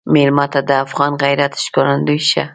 مېلمه ته د افغان غیرت ښکارندوی شه.